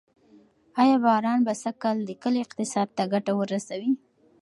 آیا باران به سږکال د کلي اقتصاد ته ګټه ورسوي؟